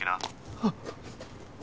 あっ！